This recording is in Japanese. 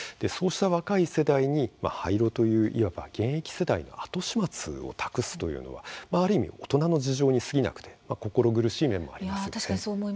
そうした若い世代に廃炉という、いわば現役世代の後始末を託すというのはある意味、大人の事情に過ぎなくて心苦しい面もあります。